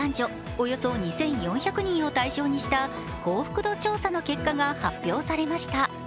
およそ２４００人を対象にした幸福度調査の結果が発表されました。